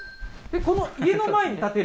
この家の前に建てる？